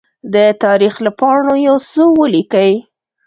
د تاریخ له پاڼو يوڅه ولیکئ!